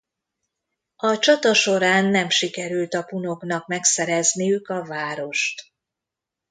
A csata során nem sikerült a punoknak megszerezniük a várost.